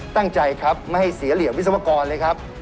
ตั้งใจครับไม่ให้เสียเหลี่ยมวิศวกรเลยครับ